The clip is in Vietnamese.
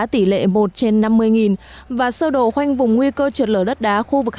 tỷ lệ một trên năm mươi và sơ đồ khoanh vùng nguy cơ trượt lở đất đá